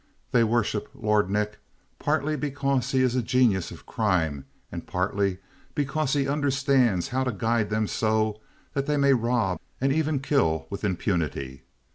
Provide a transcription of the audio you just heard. "They worship Lord Nick partly because he is a genius of crime and partly because he understands how to guide them so that they may rob and even kill with impunity.